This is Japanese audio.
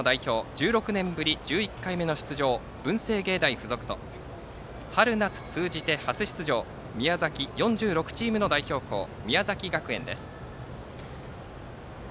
１６年ぶり１１回目の出場文星芸大学付属と春夏通じて初出場宮崎４６チームの代表校宮崎学園です。